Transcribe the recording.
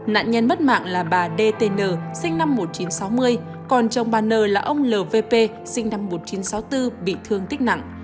nạn nhân mất mạng là bà d t n sinh năm một nghìn chín trăm sáu mươi còn trong bà n là ông l v p sinh năm một nghìn chín trăm sáu mươi bốn bị thương tích nặng